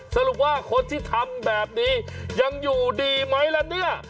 สรุปว่าคนที่ทำแบบนี้ยังอยู่ดีไหมล่ะเนี่ย